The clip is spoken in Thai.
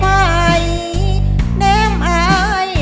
เพลงเพลง